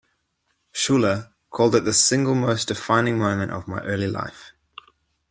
Schuller called it the single most defining moment of my early life.